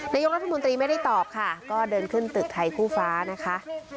นายกรัฐมนตรีไม่ได้ตอบค่ะก็เดินขึ้นตึกไทยคู่ฟ้านะคะ